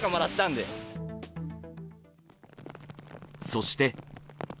そして。